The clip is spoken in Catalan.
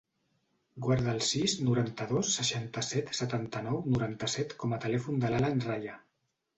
Guarda el sis, noranta-dos, seixanta-set, setanta-nou, noranta-set com a telèfon de l'Alan Raya.